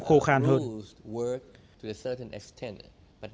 một thành phố ngăn nắp kỷ luật